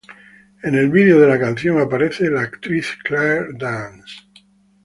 En el vídeo de la canción aparece la actriz Claire Danes.